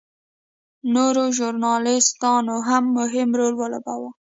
نورو ژورنالېستانو هم مهم رول ولوباوه.